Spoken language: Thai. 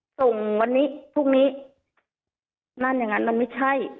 ส่งวันนี้พรุ่งนี้นั่นอย่างนั้นมันไม่ใช่